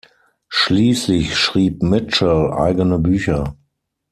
Schließlich schrieb Mitchell eigene Bücher.